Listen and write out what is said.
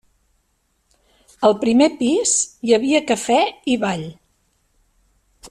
Al primer pis hi havia cafè i ball.